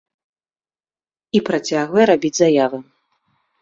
І працягвае рабіць заявы.